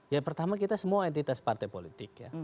ya pertama kita semua entitas partai politik ya